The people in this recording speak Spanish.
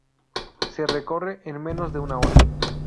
Se recorre en menos de una hora.